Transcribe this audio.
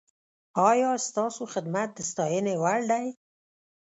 ایا ستاسو خدمت د ستاینې وړ دی؟